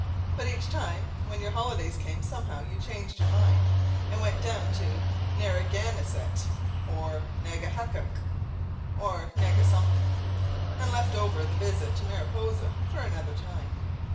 But each time when your holidays came, somehow you changed your mind and went down to Naragansett or Nagahuckett or Nagasomething, and left over the visit to Mariposa for another time.